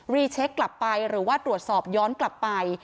รีเช็คกลับไปหรือว่าตรวจสอบย้อนกลับไป